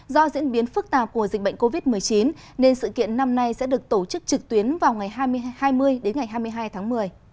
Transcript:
do diễn biến phức tạp của dịch bệnh covid một mươi chín nên sự kiện năm nay sẽ được tổ chức trực tuyến vào ngày hai mươi đến ngày hai mươi hai tháng một mươi